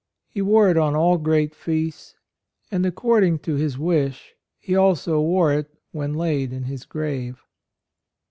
He wore it on all great feasts; and, according to his wish, he also wore it when laid in his grave.